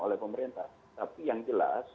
oleh pemerintah tapi yang jelas